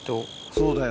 そうだよ